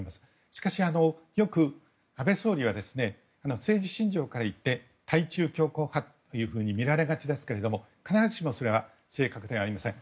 しかし、よく安倍総理は政治信条からいって対中強硬派というふうに見られがちですがそれは必ずしも正確ではありません。